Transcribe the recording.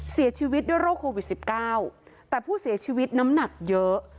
เสียชีวิตด้วยโรคโควิด๑๙แต่ผู้เสียชีวิตน้ำหนักเยอะ